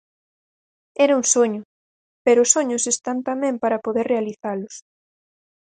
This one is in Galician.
Era un soño, pero os soños están tamén para poder realizalos.